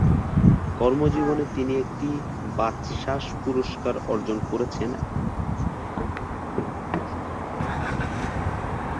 কর্মজীবনে তিনি একটি বাচসাস পুরস্কার অর্জন করেছেন এবং ছয়বার মেরিল-প্রথম আলো পুরস্কারে মনোনয়ন লাভ করেন।